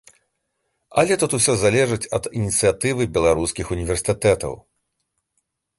Але тут усё залежыць ад ініцыятывы беларускіх універсітэтаў.